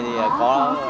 thì có lễ hội